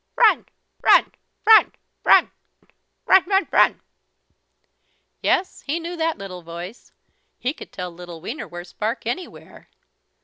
"Run run run run runrunrun!" Yes, he knew that little voice. He could tell little Wienerwurst's bark anywhere.